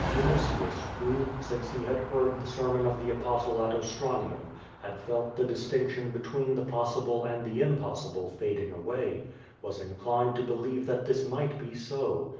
Vinitius, who, since he had heard the sermon of the Apostle at Ostranium, had felt the distinction between the possible and the impossible fading away, was inclined to believe that this might be so.